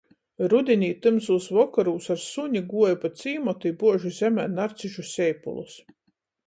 Rudinī tymsūs vokorūs ar suni guoju pa cīmatu i buožu zemē narcišu seipulus.